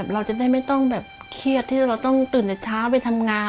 เราจะได้ไม่ต้องแบบเครียดที่เราต้องตื่นแต่เช้าไปทำงาน